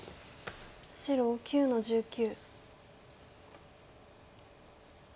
白９の十九。